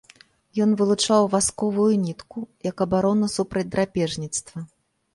Ён вылучаў васковую нітку, як абарона супраць драпежніцтва.